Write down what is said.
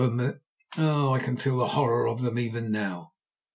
I can feel the horror of them even now.